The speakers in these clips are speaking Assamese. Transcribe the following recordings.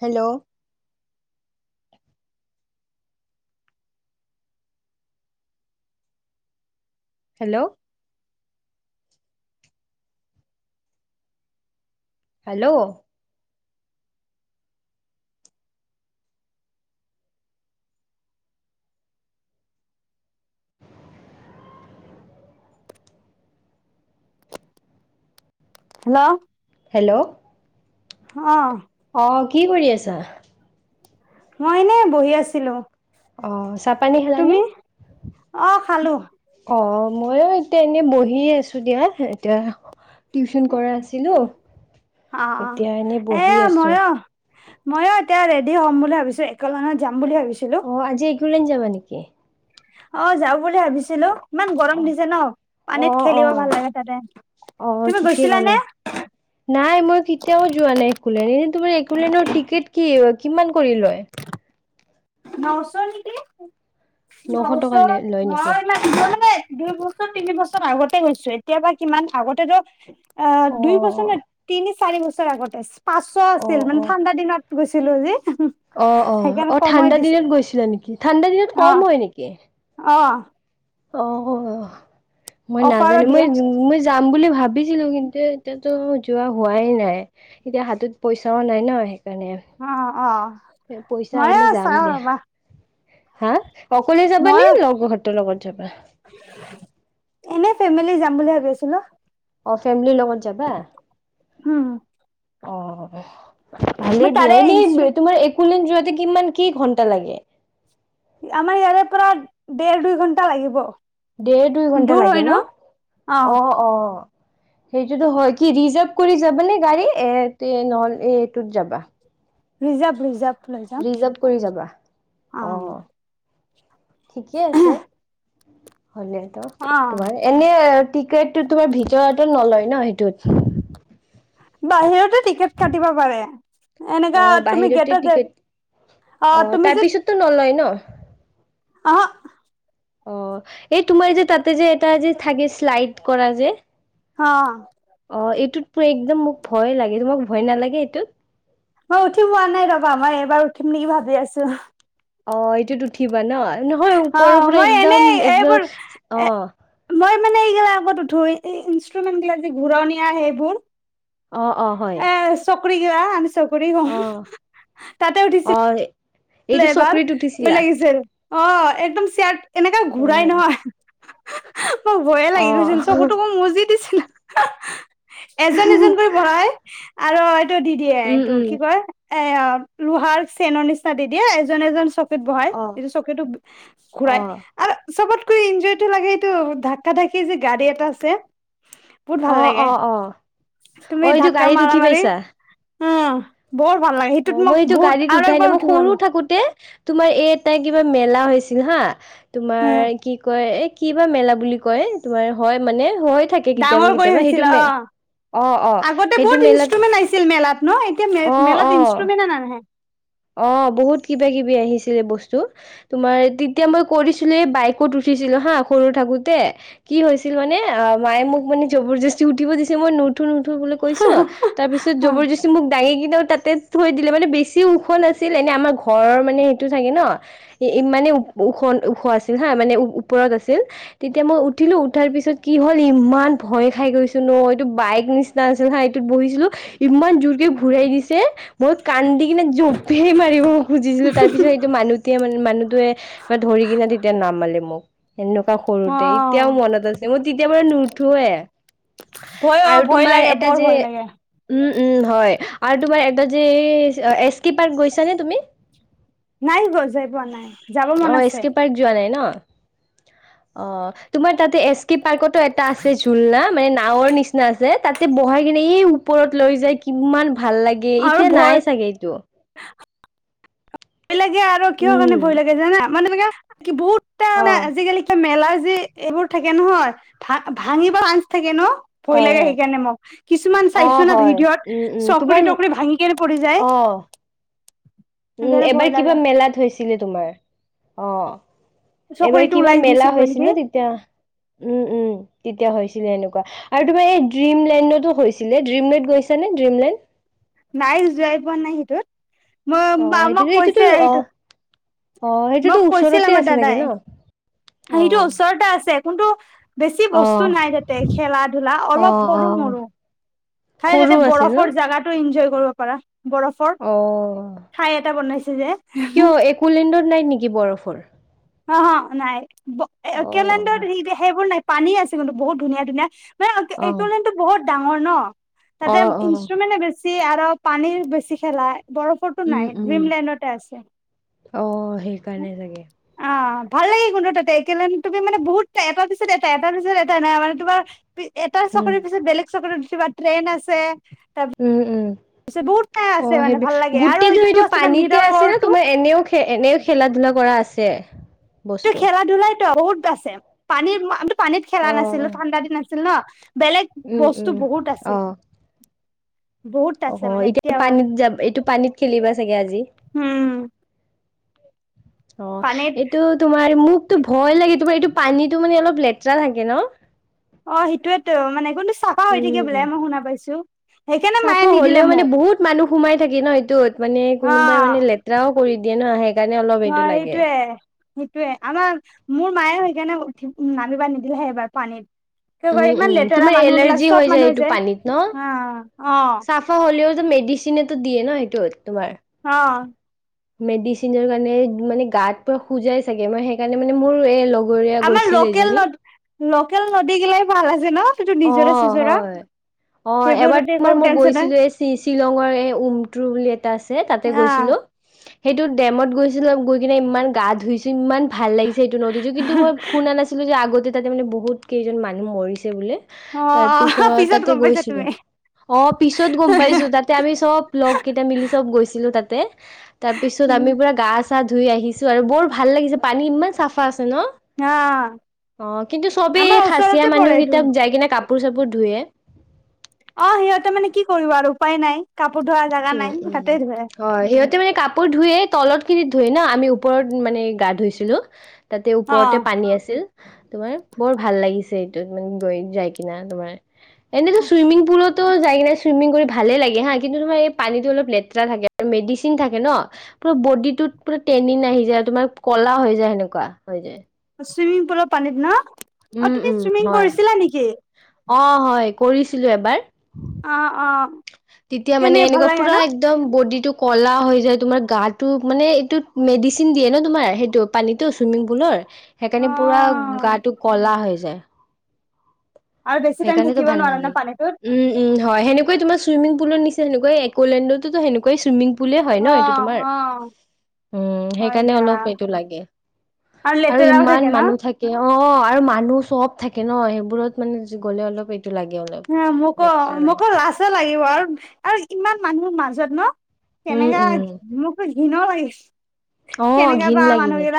Hello. Hello. Hello. Hello. Hello. হ অ' কি কৰি আছা? মইনে বহি আছিলো। অ' চাহ পানী খেলানে, তুমি অ খালো অ'। ময়ো এতিয়া এনেই বহিয় আছো দিয়া এতিয়া টিউচন কৰা আছিলো। অ' এতিয়া এনে বহি এয়া আছো। মইও মইও এতিয়া দে হ'ম বুলি ভাবিছো একেল মানত যাম বুলি ভাবিছিলো। অ আজি একলেণ্ড যামা নেকি? অ' যাও বুলি ভাবিছিলো। ইমান অ গৰম দিছে ন অ পানীত অ খেলিব ভাল লাগে তাতে। অ তুমি ঠিকেই গৈছিলানে? ক'লা। নাই মই কেতিয়াও যোৱা নাই একলেণ্ড এনে তোমাৰ এ ককাণ্ডৰ টিকেট কি? কিমান কৰি লয়? নশ নি নশ টকা লয় ন নেকি? [unintelligible] দুই বছৰ তিনি বছৰ আগতে গৈছো এতিয়া বা কিমান আগতেতো অ', দুই বছৰ ন তিনি চাৰি বছৰ আগতে পাঁচশ অ আছিল মানে অ ঠাণ্ডা দিনত গৈছিলো যে অ', অ' অ' ঠাণ্ডা দিনত গৈছিলা নেকি ঠাণ্ডা দিনত অ কম হয় নেকি অ', অ' মই অফাৰো নাজানো মই দিয়ে। মই যাম বুলি ভাবো ভাবিছিলো কিন্তু এতিয়া যোৱা হোৱাই নাই এতিয়া হাতত পইচাও নাই ন সেইকাৰণে অ', অ' পইচা ময়ো আহিলে যাম চাওঁ দিয়া ৰ'বা হাঁ অকলে যাবাানে ময়ো লগৰহতৰ লগত যাবা এনেই ফেমিলি যাম বুলি ভাবি আছিলো অ', ফেমিলি লগত যাবা হম অ', ভালেই দিয়া তাৰে এনেই ইনষ্ট্ৰু তোমাৰ একোলেণ্ড যোৱাতে কিমান কি ঘণ্টা লাগে আমাৰ ইয়াৰে পৰা দেৰ দুই ঘণ্টা লাগিব দেৰ দুই ঘন্টা দূৰ লাগে হয় ন অ', অ' সেইটোতো হয় কি ৰিজাৰ্ভ কৰি যাবা নে গাড়ী এ নহ'লে এইটোত যাবা ৰিজাৰ্ভ ৰিজাৰ্ভ লৈ যাম ৰিজাৰ্ভ কৰি যাবা অ', ঠিকে আছে। হ'লেতো অ' তোমাৰ এনে টিকেটটো তোমাৰ ভিতৰততে নলয় ন সেইটোত বাহিৰতে টিকেট কাটিব পাৰে এনেকা অ' তুমি বাহিৰতে গেটত যায় টিকেট অ' তাৰ পিছতো নলয় ন অ', অ' এই তোমাৰ যে তাতে যে এটা যে থাকে স্লাইড কৰা যে অ' এইটোত টু একদম মোক ভয় লাগে তোমাক ভয় নালাগে এইটোত মই উঠি পোৱা নাই ৰবা মই এবাৰ উঠি বুলি ভাবি আছো অ' এইটোত উঠিবা ন নহয় অ ওপৰৰ পৰা মই একদম এনেই এইবোৰ একদম এ অ' মই মানে এইগিলা আগত উঠ এই ইনষ্ট্ৰুমেন্ট গিলা যে ঘূৰণীয়া সেইবোৰ অ', অ', হয় এ চকৰি গিলা আমি চকৰি কও অ' তাতে উঠিছো অ' এইটো এবাৰ চকৰিত ভয় উঠিছিলা? লাগিছে অ' একদম চেক এনেকা ঘূৰাই অ' নহয় মো ভয়ে লাগি গৈছিল চকু অ' তকু মুজি দিছিলো এজন এজন কৰি বহাই আৰু এইটো দিদিয়ে উম এইটো উম কি কয় এয়া লোহাৰ চেনৰ নিচনা দি দিয়ে এজন এজন চব চিত বহাই অ' ইটো চকী ঘূৰাই অ' আৰু চবত কৈ ইঞ্জয় এটা লাগে এইটো ঢাক্কা ধাক্কি যে গাড়ী এটা আছে বহুত ভাল অ' লাগে অ' অ' তুমি অ এইটো ধাক্কা গাড়ীত মাৰা উঠি মাৰি পাইছা অ' বহুত ভাল লাগে অ সেইটোত মোক মই এইটো বহুত গাড়ীত আৰু উঠাই নাই এবাৰ মই সৰু থাকোতে তোমাৰ এই এটাই কিবা মেলা হৈছিল হা তোমাৰ কি কয় এই কি বা মেলা বুলি কয় তোমাৰ হয় মানে হৈ থাকে কেতিয়াবা ডাঙৰ কৰি কেতিয়াবা সেইটো হৈছিল অ' মে অ অ আগতে সেইটো বহুত মেলাত ইনষ্টুমেণ্ট আহিছিল মেলাত ন এতিয়া অ মে মেলাত অ ইনষ্ট্ৰুমেণ্টনে নাহে অ', বহুত কিবা কিবি আহিছিলে বস্তু তোমাৰ তেতিয়া মই পৰিছিলে এ তোমাৰ বাইকত উঠি উঠিছিলো হা সৰু থাকোতে কি হৈছিল মানে অ' মায়ে মোক মানে জবৰ জস্তি উঠিব দিছে মই নুঠো নুঠো নুঠো নহয় কৈছো তাৰ পিছত জবৰ অ জস্থি মোক দাঙি কিনে তাতে থৈ দিলে মানে বেছি ওখ নাছিল এনে আমাৰ ঘৰৰ মানে সেইটো চাগে ন ইমানে ওখ ওখ আছিল হা মানে ওপৰত আছিল তেতিয়া মই উঠিলো উঠাৰ পিছত কি হল ইমান ভয় খাই গৈছোঁ নহয় বাইক নিচিনা আাছিল হা এইটোত বহিছিলো ইমান জোৰকে ঘূৰাই দিছে মইত কান্দি কিনে ধৰি মাৰিব খুজিছিলো তাৰ পিছত এইটো মানুহটোৱে মানে মানুহটোৱে বা ধৰি কিনে তেতিয়া নামালে মোক সেনেকুৱা অ সৰুতে এতিয়াও মনত আছে মই তেতিয়াৰ পৰা নুঠোৱে ভয় অ আৰু ভয় তোমাৰ লাগে এটা বৰ যে ভয় লাগে উম উম হয় আৰু তোমাৰ এটা যে এছতি পাৰ্ক গৈছা নে তুমি নাই গৈ যাই পোৱা নাই যাব মন অ আছে এছ্কে পাৰ্ক যোৱা নাই ন অ তোমাৰ তাতে এছ কে পাৰ্ক মানে নাৱৰ নিচিনা আছে তাতে বহাই কিনে এই ওপৰত লৈ যায় কিমান ভাল লাগে আৰু এতিয়া ভয় নাই চাগে এইটো ভয় লাগে আৰু কিহৰ কাৰণে উম ভয় লাগে জানা মানুহ অ লোকে যি এইবোৰ থাকে নহয় ভা ভাঙিব আঞ্জ থাকে ন ভয় হয় লাগে হয় সেইকাৰণে মোক কিছুমান অ চাইছো না হয় ভিডিঅত উম উম তোমাৰ চকৰি তটকৰি ভাঙি কেনে পৰি যায় [inaudible] উম সেইকাৰণে এবাৰ ভয় লাগে কিবা মেলাত হৈছিলে তোমাৰ অ এইবাৰ চকৰিটো কিবা ওলাই মেলা গৈছিল গৈ হৈছিল নেকি ন তেতিয়া উম উম তেতিয়া হৈ হৈছে গিলে এনেকুৱা আৰু তোমাৰ এই ড্ৰীমলেণ্ডো হৈছিলে ডিমলেড গৈছ নে ডিমলেণ্ড নাই যাই পোৱা নাই সিটোত মই অ মা মোক সেইটোতো সেইটোতো কৈছে অ অ সেইটোতো মোক কৈছিলে ওচৰতে মোৰ আছে চাগে ন দাদাই। অ সেইটো ওচৰতে আছে কোনটো বেছি অ বস্তু নাই তাতে খেলা ধূলা অ অলপ অ সৰু মৰু খাই সৰু যাতে আছে ন বৰফৰ জাগাতটো এনজয় কৰিব পাৰা বৰফৰ অ ঠাই এটা বনাইছে। যে কিয় একোলেণ্ডত নাই নেকি বৰফৰ। অ অ নাই অ একেলেণ্ডত সেইবোৰ নাই পানী আছে কিন্তু বহুত ধুনীয়া ধুনীয়া মানে অ একোলেণ্ডটো বহুত ডাঙৰ ন অ তাতে অ ইনষ্ট্ৰুমেণ্টে বেছি আৰু পানী বেছি খেলা বৰফতো নাই উম উম ড্ৰীমলেণ্ডতে আছে অ সেইকাৰনে চাগে অ ভাল লাগে কোনটো তাতে তুমি মানে বহুত এটা পিছত এটা এটা পিছত এটা নাই মানে তোমাৰ এটা উম চাকৰিৰ পিছত বেলেগ চাকৰি কিবা ট্ৰেইন আছে। তাৰপিছত উম উম বহুত ঠাই অ আছে মানে সেইটো ভাল লাগে আৰু গুটিটো এইটো সেইটো আছে ন পানীতে মিৰৰ আছে না ৱৰ্ল্ডটো তোমাৰ এনেও খে এনেও খেলা ধূলা না কৰা আছে বস্তু খেলা ধূলাই তো বহুত আছে পানীত পানীত খেলা নাছিলো ঠাণ্ডা দিন আছিল ন বেলেগ উম বস্তু উম বহুত অ আছিল বহুত অ আছে মানে এতিয়া এতিয়াও পানীত যাব এইটো পানীত খেলিবা চাগে আজি উম অ পানীত এইটো তোমাৰ মোক টো ভয় লাগে তোমাৰ এইটো পানীতটো মানে অলপ লেতেৰা থাকে ন অ সেইটোয়েতো মানে কোন চাফা হৈ থাকে উম বোলে মই শুনা পাইছো সেইকাৰণে মায়ে চাফা নিদিলে হলেও মানে মোক বহুত মানুহ সোমাই থাকি ন এইটোত মানে অ কোনোবাই মানে লেতেৰাও কৰি দিয়ে ন সেইকাৰণে অলপ অ সেইটো লাগে সেইটোয়ে সেইটোয়ে আমাৰ মোৰ মায়ে সেইকাৰণে উঠি নামিবা নিদিলেহে এবাৰ পানী কি কয় উম ইমান উম লেতেৰা তোমাৰ মানুহ বিিলাক এলাৰ্জি হৈ চব যায় মানুহে এইটো যে পানীত অ অ মেডিচিননে তো দিয়ে ন এইটো তোমাৰ অ মেডিচিন কাৰণে মানে গাত প শুজাই চাগে মই সেইকাৰণে মানে মোৰ দুগৰীয়া আমাৰ গৈছিল লোকেল এজনী নদ লোকেল নদী গিলাই ভাল আছে ন সটো অ নিজৰা চজৰা হয় অ এবাৰ সেইবোৰ এক তোমাৰ মই নন নাই গৈছিলো এই শ্বিল শ্বিলঙৰ এই উমটু বুলি এটা আছে তাতে আহ গৈছিলো সেইটো ডেমত গৈছিলোঁ গৈ কিনে ইমান গা ধুইছোঁ ইমান ভাল লাগিছে সেইটো নদীটো কিন্তু, মই শুনা নাছিলোঁ যে আগতে তাতে মানে বহুত কেইজন মানুহ মৰিছে বোলে। অ তাৰ পিছত তাতে গম পাইছা তুমি গৈছিলোঁ। অ', পিছত গম পাইছোঁ তাতে আমি চব লগ কেইটা মিলি চব গৈছিলোঁ তাতে তাতে, তাৰপিছত আমি পুৰা গা চা ধুই আহিছোঁ আৰু বৰ ভাল লাগিছে পানী ইমান চাফা ন, অ অ', কিন্তু চবেই আমাৰ খাচিয়া ওচৰতে পৰে মানুহ এইটো কিটা যায় কাপোৰ চাপোৰ ধোৱে। অ', সিহঁতে মানে কি কৰিব আৰু উপায় নাই ক উম, উম, হয় সিহঁতে মানে কাপোৰ ধুয়ে তলত খিনিত ধুই ন আমি ওপৰত মানে গা ধুইছিলোঁ। তাতে অ ওপৰতে পানী আছিল তোমাৰ বৰ ভাল লাগিছে এইটো মানে গৈ যাই কিনা তোমাৰ এনেইতো ছুইমিং পুলতো যাই কিনে ছুইমিং কৰি ভালেই লাগে হা কিন্তু তোমাৰ এ পানীটো অলপ লেতেৰা থাকে, মেডিচিন থাকে ন', পুৰা বডীটোত পুৰা টেনিন আহি যায় আৰু তোমাৰ ক'লা হৈ যায় সেনেকুৱা হৈ যায় ছুইমিং পুলত পানীত ন, অ', উম তুমি উম ছুইমিং হয় কৰিছিলাঁ নেকি? অ', হয় কৰিছিলোঁ এবাৰ। অ', অ তেতিয়া কেনে মানে ভাল এনেকুৱা লাগে ন পুৰা একদম বডিত এইটো ক'লা হৈ যায় তোমাৰ গাটো মানে এইটো মেডিচিন দিয়ে ন' তোমাৰ সেইটো পানীটো ছুইমিং পুলৰ। অ সেইকাৰণে পুৰা গাটো কলা হৈ যায়। আৰু বেছি টাইম সেইকাৰণেতো থাকিব ভাল নোৱাৰা ন নালাগে পানীটোত উম, উম, হয় সেনেকয় তোমাৰ ছুইমিং পুলৰ নিচি সেনেকৈ এক'লেণ্ডটোতো সেনেকৈ ছুইমিং বুলিয়ে হয় অ ন' এইটো তোমাৰ অ উম, হয় সেইকাৰণে দিয়া অলপ এইটো লাগে। আৰু লেতেৰাও ইমান থাকে ন মানুহ থাকে অ', অ', আৰু মানুহ চব থাকে ন' সেইবোৰত মানে গ'লে অলপ এইটো লাগে অলপ হ মোকো লেতেৰা লাগে। মোকো লাজে লাগিব আৰু আৰু ইমান মানুহ মাজত ন? উম, তেনেকা উম, মোকো ঘিন অ', ঘিণ লাগি যায়।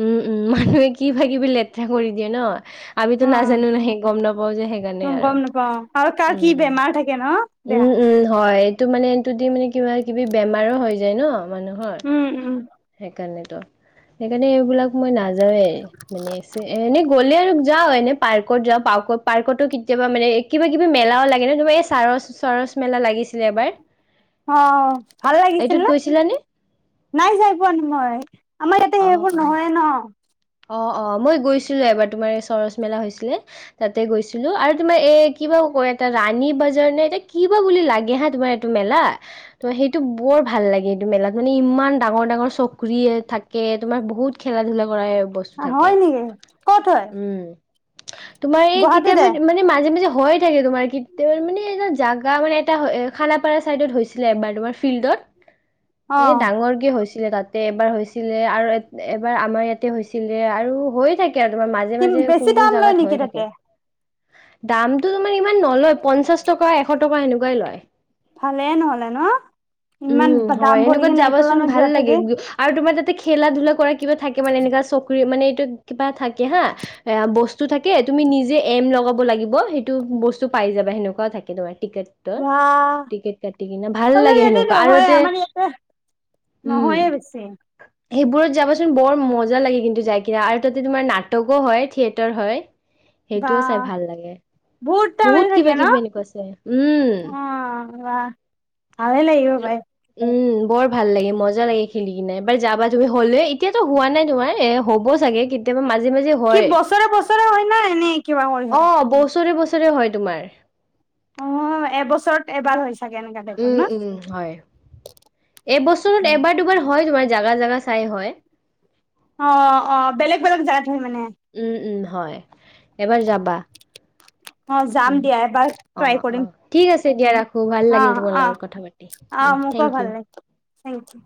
উম, উম, মানুহে কিবা-কিবি লেতেৰা কৰি দিয়ে ন। আমিটো অ নাজানো ন' সে গম নাপাও যে সেইকাৰণে আৰু গম নাপাও আৰু কাৰ কি উম, বেমাৰ থাকে ন দেয়া উম, উম, হয়। টো মানে এইটো দি মানে কিবা কিবি বেমাৰো হৈ যায় ন মানুহৰ উম উম সেইকাৰণে সেইকাৰণে এইবিলাক মই নাযাওৱে মানে এনে গ'লে আৰু যাওঁ এনে পাৰ্কত যাওঁ পাৰ্কত পাৰ্কতো কেতিয়াবা মানে কিবা কিবি মেলাও লাগে ন' তোমাৰ এই ছাৰচ চৰচ মেলা লাগিছিলে এবাৰ অ ভাল লাগিছিল এইটোত নে গৈছিলানে? নাই যায় পোৱা নাই মই, আমাৰ ইয়াতে অ সেইবোৰ অ নহয়ে ন। অ', অ', মই গৈছিলোঁ এবাৰ তোমাৰ ছৰচ মেলা হৈছিলে তাতে গৈছিলোঁ আৰু তোমাৰ এ কি কিবা কয় এটা ৰাণী বাজাৰ নে এতিয়া কিবা বুলি লাগে হা তোমাৰ এইটো মেলা ত' সেইটো বৰ ভাল ভাল লাগে এইটো মেলাত মানে ইমান ডাঙৰ ডাঙৰ চকৰি থাকে, তোমাৰ বহুত খেলা ধূলা কৰা বস্তু থাকে হয় নেকি ক'ত হয়? উম তোমাৰ এই গুৱাহাটীতে কেতিয়াবা মানে মাজে মাজে হয় থাকে তোমাৰ কেতিয়াবা মানে এটা জাগা জাগা মানে এটা খানাপাৰা চাইডত হৈছিলে এবাৰ তোমাৰ ফিল্ডত। অ এ ডাঙৰ কে হৈছিলে তাতে এবাৰ হৈছিলে আৰু এবাৰ আমাৰ ইয়াতে হৈছিল হৈছিলে আৰু হৈয়ে থাকে আৰু তোমাৰ মাজে কি মাজে কোন বেছি কোন দাম লয় জাগাত নেকি হৈয়ে তাতে থাকে। দামটো তোমাৰ ইমান নলয় পঞ্চাশ টকা এশ টকা সেনেকুৱাই লয়। ভালে নহলে ন' ইমান উম, দাম হয় ভৰি সেনেকুৱাত কিনে যাবচোন একেলনত ভাল যোৱা লাগে থাকি আৰু তোমাৰ তাতে খেলা ধূলা কৰা কিবা থাকে মানে এনেকুৱা চকৰি মানে কিবা থাকে হা এ বস্তু থাকে তুমি নিজে এম লগাব লাগিব সেইটো বস্তু পাই যাবা সেনেকুৱাও থাকে তোমাৰ টিকেটৰ বা টিকেট কাটি কিনে ভাল আমাৰ লাগে ইয়াতে সেনেকুৱা আৰু নহয় এতিয়া আমাৰ ইয়াতে উম, নহয়ে বেছি সেইবোৰত যাবাচোন বৰ মজা লাগে কিন্তু যাই কিনা আৰু তাতে তোমাৰ নাটকো হয় থিয়েটাৰ হয়। বা সেইটোও চাই ভাল লাগে। টাইম হৈ বহুত থাকে কিবা ন কিবি এনেকুৱা আছে উম। অ বা ভালে লাগিব পাই উম বৰ ভাল লাগে মজা লাগে খেলি কিনে এবাৰ যাবা তুমি হলে এতিয়াতো হোৱা নাই তোমাৰ এহ হব চাগে কেতিয়াবা মাজে মাজে কি হয় অ', বছৰে বছৰে হয় না এনে কিবা কৰি হয় বছৰে-বছৰে বছৰে হয় তোমাৰ অ', এবছৰত এবাৰ হৈ চাগে এনেকা টাইপৰ ন উম-উম হয় এবছৰত এবাৰ দুবাৰ হয় তোমাৰ জাগা জাগা চাই হয় অ', -অ', বেলেগ-বেলেগ জাগাত উম-উম হয় এবাৰ যাবা। অ যাম উম দিয়া এবাৰ অ', ট্ৰাই কৰিম -অ', ঠিক আছে দিয়া ৰাখো ভাল লাগিল তোমাৰ লগত কথা পাতি অহ উম মোকো থেংক ভাল ইউ লাগিল, থেংক ইউ।